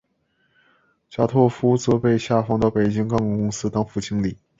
贾拓夫则被下放到北京钢铁公司当副经理。